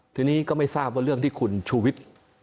ทีนี้ก็ไม่ทราบว่าเรื่องที่คุณชูวิทย์